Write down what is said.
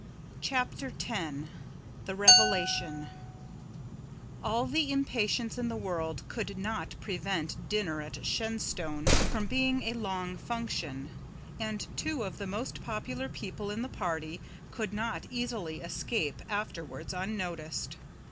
CHAPTER X THE REVELATION All the impatience in the world could not prevent dinner at Shenstone from being a long function, and two of the most popular people in the party could not easily escape afterwards unnoticed.